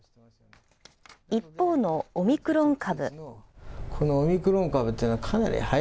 一方のオミクロン株。